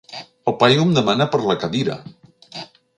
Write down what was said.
El paio em demana per la cadira!